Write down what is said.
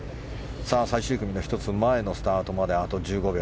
最終組の１つ前のスタートまであと１５秒。